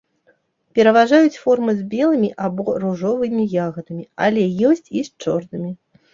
Пераважаюць формы з белымі або ружовымі ягадамі, але ёсць і з чорнымі.